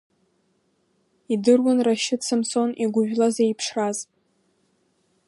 Идыруан Рашьыҭ Самсон игәыжәла зеиԥшраз.